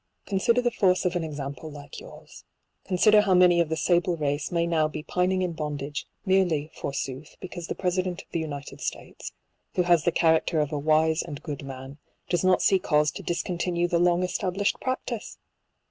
Consider the force of an example like your's ;— consider how many of the sable race may now be piniDg in bondage, merely, forsooth, because the President of the United States, who has the character of a wise and good man, does not see cause to discontinue the long established practice!